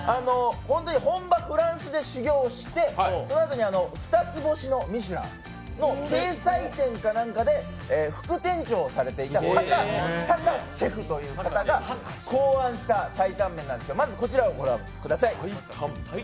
本場フランスで修業して、二つ星のミシュランの掲載店かなんかで、副店長をされていた坂シェフという方が考案した鯛担麺なんですけどまずこちらご覧ください。